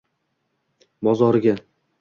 Mozoriga